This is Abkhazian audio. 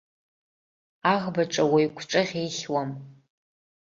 Аӷбаҿы уаҩ гәҿыӷь ихьуам.